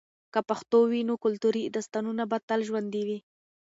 که پښتو وي، نو کلتوري داستانونه به تل ژوندۍ وي.